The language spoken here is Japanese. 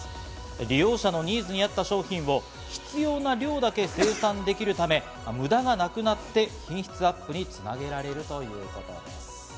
利用者のニーズに合った商品を必要な量だけ生産できるため、無駄がなくなって品質アップにつなげられるということです。